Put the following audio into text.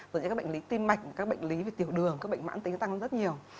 rồi những các bệnh lý tim mạch các bệnh lý về tiểu đường các bệnh mãn tính tăng rất nhiều